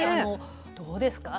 どうですか？